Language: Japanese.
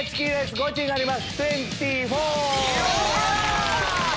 ゴチになります。